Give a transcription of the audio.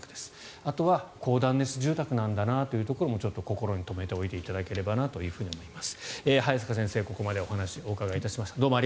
あとは高断熱住宅なんだなというところもちょっと心にとめておいていただければなと思います。